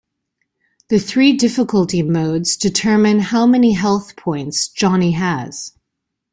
The three difficulty modes determine how many health points Johnny has.